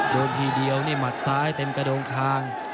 ทีเดียวนี่หมัดซ้ายเต็มกระโดงคาง